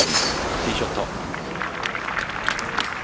ティーショット。